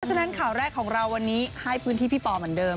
ฉะนั้นข่าวแรกของเราวันนี้ให้พื้นที่พี่ปอเหมือนเดิม